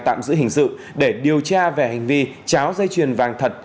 tạm giữ hình sự để điều tra về hành vi cháo dây chuyền vàng thật